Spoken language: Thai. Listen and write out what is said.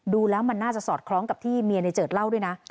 ดูแล้วมันน่าจะสอดคล้องกับที่เมียในเจิดเล่าด้วยนะ